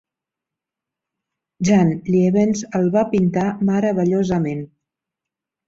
Jan Lievens el va pintar meravellosament.